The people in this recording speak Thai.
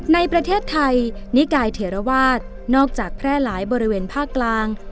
ในประเทศไทยนิกายเถระวาสนอกจากแพร่หลายบริเวณภาคกลาง